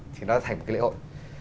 thì nó thành một cái lễ hội